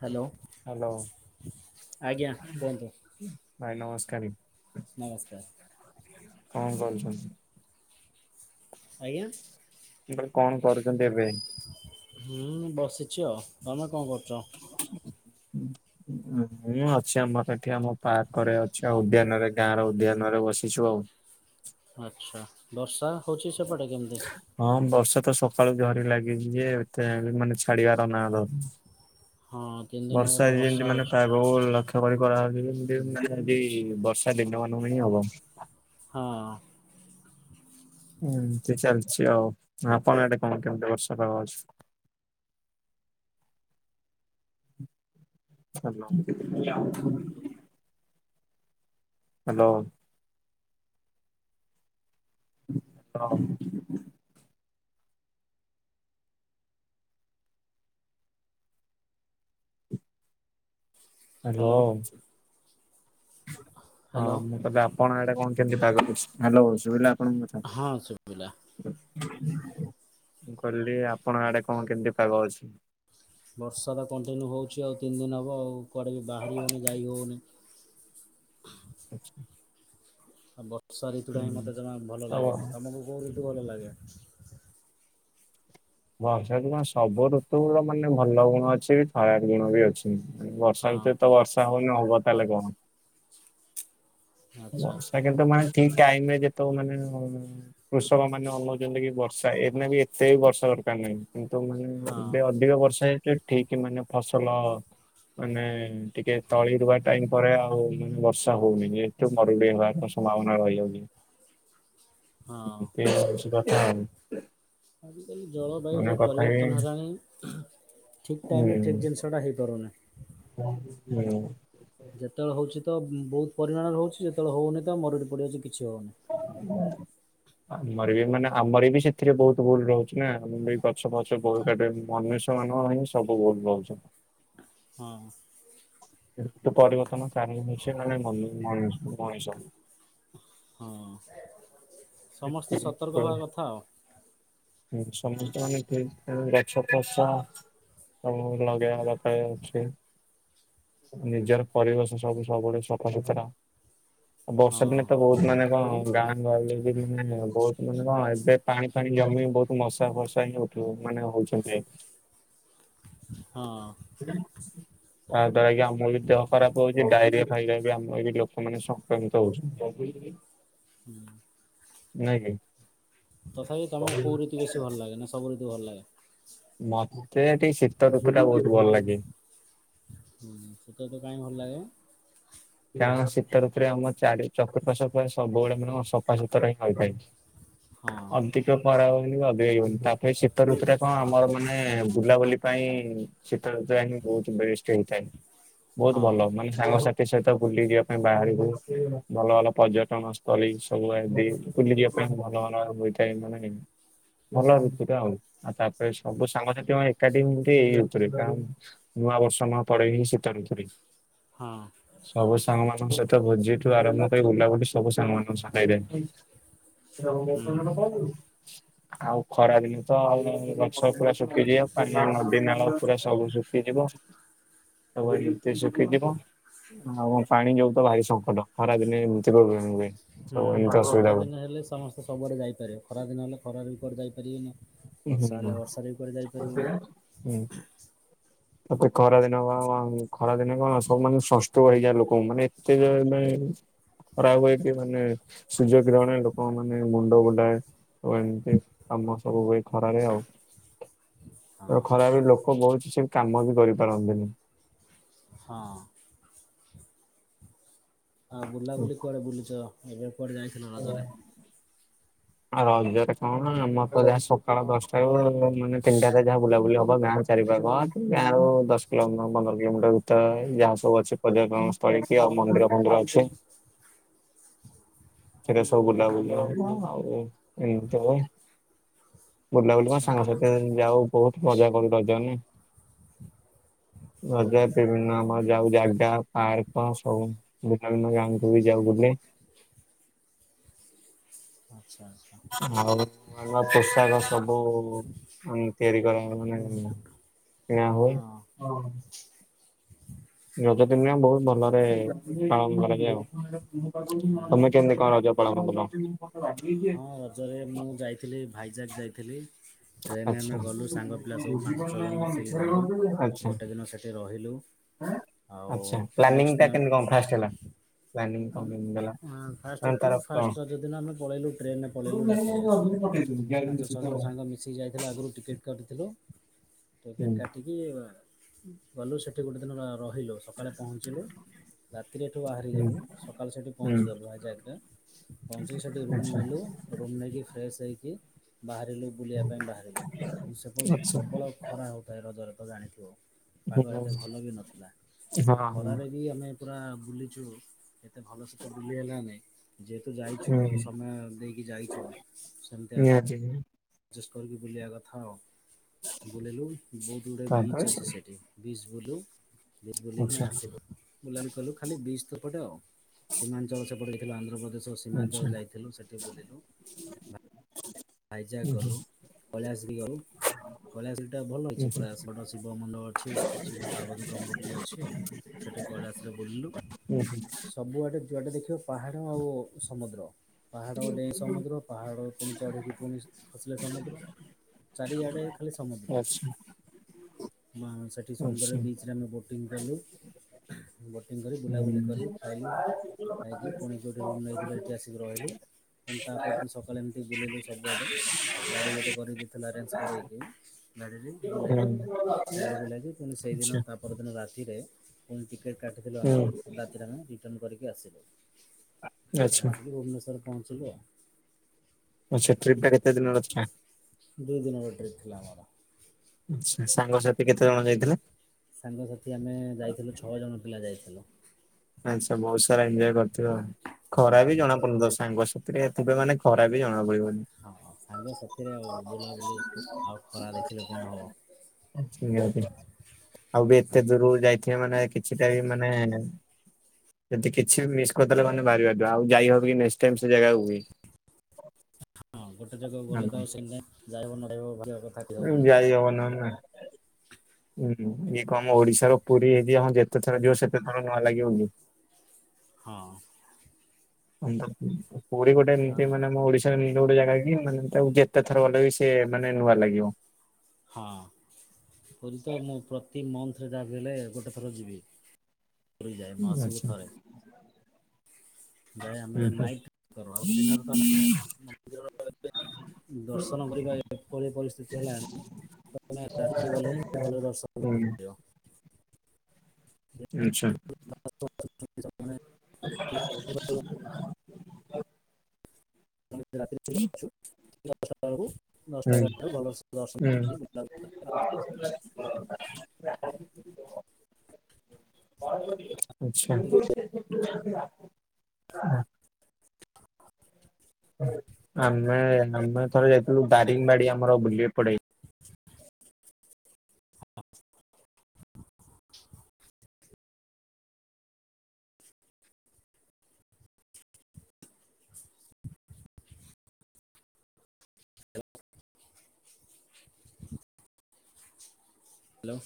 Hello. Hello ଆଜ୍ଞା କୁହନ୍ତୁ ଭାଇ ନମସ୍ କାରି ନମସ୍କାର କଁ କରୁଚନ୍ତି? ଆଜ୍ଞା। ମୁଁ କହିଲି କଣ କରୁଛନ୍ତି ଏବେ? ହୁଁ ମୁଁ ବସିଛି ଆଉ ତମେ କଣ କରୁଛ? ମୁଁ ଅଛି, ଆମର ଏଠି ଆମ ପାର୍କରେ ଅଛି। ଆ ଉଦ୍ୟାନରେ ଗାଁର ଉଦ୍ୟାନରେ ବସିଛୁ ଆଉ। ଆଚ୍ଛା ବର୍ଷା ହଉଛି? ସେପଟେ କେମିତି? ହଁ ବର୍ଷା ତ ସକାଳୁ ଝରି ଲାଗିଛି ଯେ ଏତେଯାଏଁ ବି ମାନେ ଛାଡିବାର ନା ଧରୁନି। ହଁ ତିନି ଦିନ ବର୍ଷା ବୋଧେ ଯେନ୍ତି ମାନେ ହଉଛି ପ୍ରାଗହୁ ଲକ୍ଷ [unintelligible] କରି କରାହେଉଛି ଏମତି ବର୍ଷା ଦିନମାନଙ୍କୁ ହିଁ ହବ। ହଁ। ଏମତି ଚାଲିଛି ଆଉ ଆପଣ ଆଡେ କଣ କେମିତି ବର୍ଷାପାଗ ଅଛି? [inaudible] ହାଲୋ। ହ୍ୟାଲୋ। ରହ। ହାଲୋ। ହ୍ୟାଲୋ ହଁ ହ୍ୟାଲୋ। ମୁଁ କହିଲେ ଆପଣ ଆଡେ କଣ କେମତି ପାଗ କରଛି। ହାଲୋ ଶୁଭିଲା ହଁ ଶୁଭିଲା [unintelligible] ମୁଁ କହିଲି ଆପଣ ଆଡେ କଣ କେମିତି ପାଗ ଅଛି? ବର୍ଷାଟା କଣ୍ଟିନ୍ୟୁ ହେଉଛି ଆଉ ତିନି ଦିନ ହେବ। ଆଉ କୁଆଡ଼େ ବି ବାହାରି ହେଉନି ଯାଇ ହେଉନି। ଆଚ୍ଛା। ଆଉ ବର୍ଷା ଋତୁଟା ହିଁ ମତେ ଜମା ଭଲ ତ ଲାଗେନି। ତମକୁ କୋଉ ଋତୁ ଭଲ ଲାଗେ? ବର୍ଷାଦିନ ସବୁ ଋତୁର ମାନେ ଭଲ ଗୁଣ ଅଛି, ଖରାପ ଗୁଣ ବି ଅଛି। ହଁ ବର୍ଷାଋତୁରେ ତ ବର୍ଷା ହଉନି ହବ ତାହେଲେ କଣ? ଓ ଆଚ୍ଛା ବର୍ଷା କିନ୍ତୁ ମାନେ ଠିକ୍ ଟାଇମରେ ଯେତେବେଳେ ମାନେ କୃଷକମାନେ ଅନଉଛନ୍ତି କି ବର୍ଷା ଏ ବି ଏତେ ବର୍ଷା ଦରକାର ନାହିଁ କିନ୍ତୁ ମାନେ ହଁ ଏବେ ଅଧିକ ବର୍ଷା ହେଇଛି ଠିକ ମାନେ ଫସଲ ମାନେ ଟିକେ ତଳି ରୁଆ ଟାଇମ ପରେ ଆଉ ବର୍ଷା ହଉନି ଯେ। ମରୁଡି ହେବାର ସମ୍ଭାବନା ରହିଯାଉଛି। ହଁ। [unintelligible] ହଁ। ଆଜିକାଲି ଜଳବାୟୁ ସବୁ ପରିବର୍ତ୍ତନ ହେଲାଣି। ଠିକ ଟାଇମରେ ଠିକ ହୁଁ ଜିନିଷ ଟା ହେଇପାରୁନି। ହୁଁ। ଯେତେବେଳେ ହଉଛି ତ ବହୁତ ପରିମାଣରେ ହଉଛି, ଯେତେବେଳେ ହଉନି ତ ମରୁଡି ପଡିଯାଉଛି କିଛି ହଉନି। [inaudible] ଆମର ବି ମାନେ ଆମର ବି ସେଥିରେ ବୋହୁତ ଭୁଲ ରୋହୁଛି ନା ଆମେ ବି ଗଛ ଫଛ ବୋହୁତ କାଟି। [unintelligible] ମନୁଷ୍ୟ ମାନଙ୍କର ହିଁ ସବୁ ଭୁଲ ରୋହୁଛି। ହଁ ହଁ। ଋତୁ ପରିବର୍ତ୍ତନ ଚାହିଁଲେ ସେମାନେ ମନୁ ମଣି ମଣିଷ। ହଁ। ସମସ୍ତେ ସତର୍କ ହବା [unintelligible] କଥା ଆଉ ସମସ୍ତେ ମାନେ। [unintelligible] ସବୁ ଲଗେଇବା କଥା ବି ଉଚିତ୍। ନିଜର ପରିବେଶ ସବୁ ସବୁବୋଳେ ସଫା ସୁୁତରା। ଆଉ ବର୍ଷା ହଁ ଦିନେ ତ ବୋହୁତ ମାନେ କଣ ଗାଁ ଗହଳିରେ [unintelligible] ବୋହୁତ ମାନେ କଣ ଏବେ ପାଣି ଫାଣି ଜମି ବୋହୁତ ମଶା ଫଷା ହିଁ ହୋଉଥୁବ ମାନେ ହୋଉଛନ୍ତି। [inaudible] ହଁ। ତାଦ୍ୱାରା ଆଜ୍ଞା ଆମକୁ ଯୋଉ ଦେହ ଖରାପ ହୋଉଚି ଡାଇରିଆ ଖାଇବା ବି ଆମ [unintelligible] ଲୋକୋମାନେ ସଂକ୍ରମିତ ହୋଉଛନ୍ତି। ହୁଁ। ନାଇଁ ଖାଇ ତଥାବି ତମକୁ କୋଉ ଋତୁ ବେଶୀ ଭଲ ଲାଗେ ନା ସବୁ ଋତୁ ଭଲ ଲାଗେ। [unintelligible] ମତେ ହେଟି ଶୀତ ଋତୁ ଟା ବୋହୁତ ଭଲ ଲାଗେ। ହୁଁ ଶୀତ ଋତୁ କାହିଁକି ଭଲ ଲାଗେ? କାରଣ ଶୀତ ଋତୁରେ ଆମ ଚାରି ଚତୁରର୍ପାଶ୍ୟ ପୁରା ସବୁବୋଳେ ମାନେ କଣ ସଫାସୁତୁରା ହିଁ ହୋଇଥାଏ। ହଁ ଅଧିକ ପରାଉ ଅଧିକ ଇଏ ହୋଉନି ତାପରେ ଶୀତ ଋତୁଟା କଣ ଆମର ମାନେ ବୁଲାବୁଲି ପାଇଁ ଶୀତ ଋତୁ ଯ ବୋହୁତ ବେଷ୍ଟ୍ ହେଇଥାଏ ବହୁତ ହଁ ଭଲ ମାନେ ସାଙ୍ଗସାଥି ସହିତ ତ ବୁଲି ଯିବା ପାଇଁ ବାହାରୁକୁ ଭଲ ଭଲ ପର୍ଯ୍ୟଟନ ସ୍ଥଳୀ ସବୁ ଆଦି ବୁଲି ଯିବା ପାଇଁ ଭଲ ଭଲ ହୋଇଥାଏ ମାନେ ଭଲ ଋତୁଟା ଆଉ ଆଉ ତାପରେ ସବୁ ସାଙ୍ଗସାଥି ମା ଏକାଠି। [unintelligible] ନୂଆ ବର୍ଷ ମା ପଡେ ଏହି ଶୀତ ଋତୁ ରେ। ହଁ। ସବୁ ସାଙ୍ଗମାନଙ୍କ ସହିତ ଭୋଜିଠୁ ଆରମ୍ଭ କରି ବୁଲାବୁଲି ସବୁ ସାଙ୍ଗମାନଙ୍କ ସାଙ୍ଗେରେ। ହୁଁ। [unintelligible] ଆଉ ଖରା ଦିନେ ତ ଆଉ ଗଛ ପୁରା ଶୁଖିଯିବ ପାନୀୟ ନଦୀ ନାଳ ପୁରା ସବୁ ଶୁଖିଯିବ। ସବୁ ଏମିତି ସୁଖୀ ଯିବ। ଆଉ ପାଣି ଯୋଗୁ ତ ଭାରି ସଙ୍କଟ ଖରା ଦିନେ ଏମିତି ପ୍ରୋବ୍ଲେମ୍ ହୁଏ। ହୁଁ ସବୁ ଏମିତି ଅସୁବିଧା ଶୀତ ହୁଏ। ଦିନ ହେଲେ ସମସ୍ତେ ସବୁଆଡେ ଯାଇପାରିବେ ଖରା ଦିନ ହେଲେ ଖରା ରେ କୁଆଡେ ଯାଇପାରିବେନି। ହୁଁ ବର୍ଷା ହେଲେ ହୁଁ। ବର୍ଷାରେ ବି କୁଆଡେ ଯାଇପାରିବେନି। ତତେ ଖରା ଦିନ କଣ କଣ ଖରାଦିନେ କଣ ସବୁ ମାନେ ସନଷ୍ଟ୍ରୋକ ହେଇଯାଏ ଲୋକୋଙ୍କୁ ମାନେ ଏତେ ଜୋରେ ମାନେ [unintelligible] ହେଇକି ମାନେ ସୂର୍ଯ୍ୟ କିରଣରେ ଲୋକୋଙ୍କୁ ମାନେ ମୁଣ୍ଡ ବୁଲାଏ। ଆଉ ଏମିତି ସମସ୍ତଙ୍କୁ ହୁଏ ଖରାରେ ଆଉ। ଆଉ ହଁ ଖରାରେ ଲୋକୋ ବୋହୁତ କିଛି କାମ ବି କରିପାରନ୍ତିନି। ହଁ। ଆଉ ବୁଲାବୁଲି କୁଆଡେ ବୁଲିଚ ଏବେ କୁଆଡେ ଯାଇଥିଲ ରଜରେ [inaudible] ଆଉ ରଜରେ କଣ ଆମର ତ ଯାହା ସକାଳ ଦଶଟାରୁୁ ମାନେ ତିନିଟା ହାତେ ଯାହା ବୁଲାବୁଲି ହବ ଗାଁ ଚାରି ବାରୁଆଁ କି ଗାଁର ଦଶ କିଲୋମିଟର ପନ୍ଦର କିଲୋମିଟର ଭିତରେ ଯାହା ସବୁ ଅଛି ପର୍ଯ୍ୟଟନ ସ୍ଥଳୀ କି ଅ ମନ୍ଦିର ଫନ୍ଦିର ଅଛି। ସେଟା ସବୁ ବୁଲାବୁଲା ହବ ଆଉ ଏମିତି ହବ ବୁଲାବୁଲି କଁ ଆଚ୍ଛା ସାଙ୍ଗସାଥି ମାନେ ଯାଉ ବୋହୁତ ମଜା କରୁ ରଜନେ [inaudible] ହୁଁ। ରଜ ବିଭିନ୍ନ ଆମର ଯାଉ ଜାଗା ପାର୍କ ସବୁ ଭିନ୍ନ ଭିନ୍ନ ଗାଁକୁ ବି ଯାଉ ବୁଲି। ଆଚ୍ଛା ଆଚ୍ଛା [inaudible] ହଉ। ଆମ ପୋଷାକ ସବୁ [unintelligible] ତିଆରି କର ମାନେ କିଣା ହୁଏ ହଁ ହଁ। ରଜ ଦିନିଆ ବହୁତ ଭଲରେ ପାଳନ କରାଯାଏ ହୁଁ ଆଉ ତମେ କେମତି କଣ ରଜ ପାଳନ କଲ। ହଁ ରଜରେ ମୁଁ ଯାଇଥିଲି ଭାଇଜାକ ଯାଇଥିଲି। ଟ୍ରେନରେ ଆଚ୍ଛା। ଆମେ ଗଲୁ ସାଙ୍ଗ ପିଲା ସବୁ ପାଞ୍ଚ ଛଅ ଜଣ ମିଶିକି ଗଲୁ ଗୋଟେ ଦିନ ସେଠି ରହିଲୁ। ହାଁ ଆଉ ଆଛ ପ୍ଲାନିଙ୍ଗ ନେକ୍ସଟ ଟା ଦିନ କେମିତି କଣ ଫାଷ୍ଟ ହେଲା? ପ୍ଲାନିଙ୍ଗ ଆମେ କଣ କେମିତି ହେଲା ହଁ ଫାଷ୍ଟ ମାନେ ଏଠୁ ତାର କଣ? ଫାଷ୍ଟ ରଜ ଦିନ ଆମେ ପଳେଇଲୁ ଟ୍ରେନରେ [unintelligible] ପଳେଇଲୁ ରାତିରେ। ପକେଇଦେଲୁ ଗ୍ୟାରେଣ୍ଟି ସେ ତ ସିଏ ଯାଇଥିଲା ଆଗରୁ ଟିକେଟ୍ କାଟିଥିଲୁ ହୁଁ ଟିକେଟ୍ କାଟିକି ଗଲୁ ସେଠି ଗୋଟେ ଦିନ ଅ ରହିଲୁ ସକାଳେ ପହଞ୍ଚିଲୁ। ରାତିରେ ଏଠୁ ହୁଁ ବାହାରିଗଲୁ ସକାଳୁ ସେଠି ହୁଁ ପହଞ୍ଚିଗଲୁ ହାଇଜାକେ ପହଞ୍ଚିକି ସେଇଠି ରୁମ୍ ଆଚ୍ଛା ନେଲୁ। ଟିକେ ଫ୍ରେସ୍ ହେଇକି ବାହାରିଲୁ ବୁଲିବା ପାଇଁ ବାହାରିଲୁ କିନ୍ତୁ ସେପର୍ଯ୍ୟନ୍ତ ଆଚ୍ଛା ପ୍ରବଳ ଖରା ହେଉଥାଏ ରଜରେ ତ ଜାଣିଥିବ। ପାଗ ହୁଁ ଏତେ ହଁ ଭଲ ବି ନଥିଲା ସେ ହଁ ଖରାରେ ବି ଆମେ ପୁରା ବୁଲିଛୁ। ଏ ଏତେ ଭଲ ସେ ବୁଲି ହେଲାନେଇ ଯେହେତୁ ଯାଇଛୁ ଆଉ ହୁଁ ସମୟ ଦେଇ ହେଇଛୁ ସେମିତି ଆ ନିହାତି ଜଷ୍ଟ୍ କରିକି ବୁଲିବା କଥା ଆଉ ବୁଲିଲୁ ବହୁତ ଗୁଡ଼ାଏ ତାପରେ ବିଚ ସେ ଅଛି ସେଠି ବିଚ ବୁଲୁ ବିଚ୍ ଆଚ୍ଛା ବୁଲିକିନା ଆସିବୁ ବୁଲାବୁଲି କଲୁ ଖାଲି ବିଜ୍ ତ ପଟେ ଆଉ। ସୀମାଞ୍ଚଳ ସେପଟିଥିଲୁ ଆନ୍ଧ୍ରପ୍ରଦେଶ ଆଚ୍ଛା ସୀମାଞ୍ଚଳ ଯାଇଥିଲୁ ସେଠି ବୁଲିଲୁ। ହାଇଜାଗ ହୁଁ ହୁଁ ଗଲୁ କଇଲାଶ ବି ଗଲୁ। କୈଳାଶ ଗିରି ଟା ଭଲ ଅଛି ହୁଁ ପୁରା ବଡ଼ ଶିବ ମଣ୍ଡଳ ଅଛି ଶିବ ପାର୍ବତୀଙ୍କ ମୂର୍ତ୍ତି ଅଛି। ସେଠି କୈଳାଶ ରେ ବୁଲିଲୁ ହୁଁ ହୁଁ ହୁଁ ସବୁଆଡ଼େ ଯୁଆଡ଼େ ଦେଖିବା ପାହାଡ଼ ଆଉ ସମୁଦ୍ର ପାହାଡ଼ ଡେଇଁ ସମୁଦ୍ର ପାହାଡ଼ ପୁଣି ଚଢ଼ିକି ପୁଣି ଖସିଲା ସମୁଦ୍ର ଚାରିଆଡ଼େ ଖାଲି ସମୁଦ୍ର। ଆଚ୍ଛା ମା ସେଠି ସମୁଦ୍ର ଆଚ୍ଛା ରେ ବିଚ୍ ରେ ଆମେ ବୋଟିଂ କଲୁ। ବୋଟିଂ କରି ହୁଁ ବୁଲାବୁଲି ହୁଁ ଆଚ୍ଛା କରି ହୁଁ ଖାଇଲୁ ଖାଇକି ପୁଣି ଯଉଠି ରୁମ୍ ନେଇଥିକୁ ହେଠି ଆସିକି ରହିଲୁ। ଫୁଣି ତାପଦିନ ସକାଳେ ଏମିତି ବୁଲିଲୁ ସ ଗୁଆଟେ ଗାଡ଼ି ଗୋଟେ କରିକି ଥିଲା ଆରେଞ୍ଜ କରେଇକି ଗାଡ଼ିରେ ବୁଲିଲୁ। ବୁଲି ବୁିଲାଇକି ପୁଣି ସେଇଦିନ ତା ପରଦିନ ରାତି ରେ ପୁଣି ଟିକେଟ୍ କାଟିଥିଲୁ ଆମେ ରାତିରେ ଆମେ ରିଟର୍ଣ୍ଣ କରିକି ଆସିଲୁ। ଆଚ୍ଛା ଆସିକୁ ଭୁବନେଶ୍ୱରରେ ପହଞ୍ଚିଲୁ ଆଉ। ଆଛା ଟ୍ରିପ୍ ଟା କେତେ ଦିନର ଥିଲା? ଦୁଇ ଦିନର ଟ୍ରିପ୍ ଥିଲା ଆମର। ଆଛା ସାଙ୍ଗସାଥି କେତେ ଜଣ ଯାଇଥିଲେ? ସାଙ୍ଗସାଥି ଆମେ ଯାଇଥିଲୁ ଛଅ ଜଣ ପିଲା ଯାଇଥିଲୁ। [unintelligible] ବହୁତ ସାରା ଏଞ୍ଜୟ କରିଥିବ ଖରା ହଁ ବି ଜଣା ପଡନ ତ ସାଙ୍ଗ ଥିରେ ଥିବେ ମାନେ ଖରା ବି ଜଣା ପଡିବ [inaudible] ହଁ ହଁ ସାଙ୍ଗ ସାଥିରେ ଆଉ ବୁଲାବୁଲି ଆଉ ଖରା ଦେଖିଲେ କଣ ହବ ନିହାତି ଆଉ ବି ଏତେ ଦୂରୁକୁ ଯାଇଥିବେ ମାନେ କିଛିଟା ବି ମାନେ ଯଦି କିଛି ବି ମିସ୍ କରିଦେଲ ମାନେ ଭାରି ବାଧିବ ଆଉ ଯାଇ ହବ କି ନେକ୍ସଟ୍ ଟାଇମ୍ ସେଇ ଜାଗାକୁ ବି। ହ ହଁ ଗୋଟେ ଜାଗାକୁ ଗଲେ ତ [unintelligible] ଉଁ କହିହବନି ଯାଇ ହବ ନ ହେନ୍ ନାଇଁ। ହୁଁ ହୁଁ ଇଏ କଣ ଆମ ଓଡିଶାର ପୁରୀ ହେଇଚି ହଁ ଯେତେ ଥର ଯିବ ସେତେ ଥର ନୂଆ ଲାଗିବ କି? ହଁ। [inaudible] ପୁରୀ ଗୋଟେ ଆଉ ଏମିତି ମାନେ ଆମ ଓଡିଶ [unintelligible] ଗୋଟେ ଜାଗା କି ମାନେ ତାକୁ ଯେତେ ଥର ଗଲେ ବି ସେ ମାନେ ନୂଆ ଲାଗିବ। ହଁ ପୁରୀ ତ ମୁଁ ପ୍ରତି ମନ୍ଥରେ ଯାବି ହେଲେ ଗୋଟେ ଥର ଯିବି। ପୁରୀ ଯାଏ ମାସୁକୁ ଆଚ୍ଛା ଥରେ। ଯାଏ ଆମେ ହୁଁ ନାଇଟ୍ କର ଆଉ ଦିନରେ ତ ଆମେ ମନ୍ଦିର [unintelligible] ଦର୍ଶନ କରିବା ଏପରି ପରିସ୍ଥିତି ହେଲାଣି ଗଲେ ରାତି ଗଲେ ହିଁ ଭଲରେ ଦର୍ଶନ ହୁଁ କରିପାରିବ। ଆଚ୍ଛା। ଆଉ। ଆମ ରାତିରେ ଯାଉଛୁ ଦଶଟା ବେଳକୁ ହୁଁ ଦଶଟା ଏଗାରଟା ବେଳକୁ ଭଲ ସେ ଦର୍ଶନ ହୁଁ। କରିକି ବୁଲାବୁଲି କରି [inaudible] କରିକି ଆଚ୍ଛା। ଉଁ ଆମେ ହ୍ୟାଲୋ ଆମେ ଥରେ ଯାଇଥିଲୁ ଦାରିଙ୍ଗ ବାଡି ଆମର ବୁଲି ପଡେଇ ହ ହ୍ୟାଲୋ।